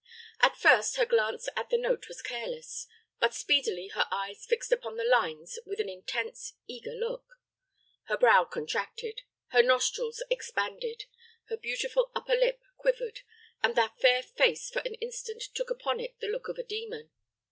At first, her glance at the note was careless; but speedily her eyes fixed upon the lines with an intense, eager look. Her brow contracted, her nostril expanded, her beautiful upper lip quivered, and that fair face for an instant took upon it the look of a demon.